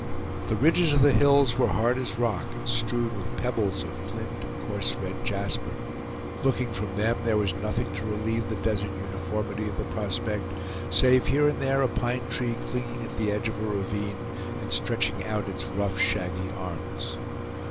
The ridges of the hills were hard as rock, and strewn with pebbles of flint and coarse red jasper; looking from them, there was nothing to relieve the desert uniformity of the prospect, save here and there a pine tree clinging at the edge of a ravine, and stretching out its rough, shaggy arms.